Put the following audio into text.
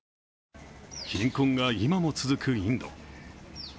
貧困が今も続くインド。